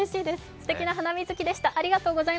すてきな「ハナミズキ」でした。